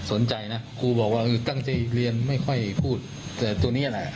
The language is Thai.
สนใจนะครูบอกว่าตั้งใจเรียนไม่ค่อยพูดแต่ตัวนี้แหละ